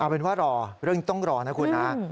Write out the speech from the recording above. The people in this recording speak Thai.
เอาเป็นว่าเรื่องต้องรอนะคุณ